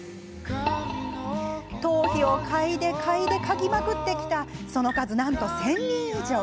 頭皮を嗅いで、嗅いで嗅ぎまくってきたその数なんと１０００人以上。